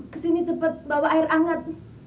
kesini cepet bawa air hangat